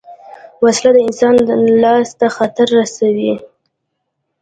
وسله د انسان لاس ته خطر رسوي